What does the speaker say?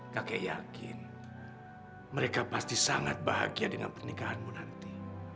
kakek yakin mereka pasti sangat bahagia dengan pernikahanmu nanti